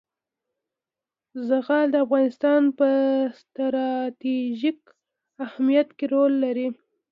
زغال د افغانستان په ستراتیژیک اهمیت کې رول لري.